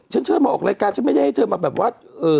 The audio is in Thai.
ฉันเฉยออกรายการไม่ได้ให้เธอมาแบบว่า